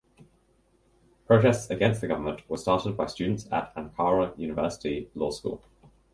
Protests against the government were started by students at Ankara University Law School.